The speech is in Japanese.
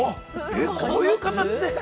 ◆こういう形で！？